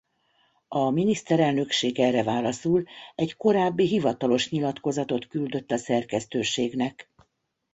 A Miniszterelnökség erre válaszul egy korábbi hivatalos nyilatkozatot küldött a szerkesztőségnek.